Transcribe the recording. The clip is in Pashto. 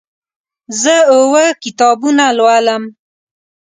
زه اوه کتابونه لولم.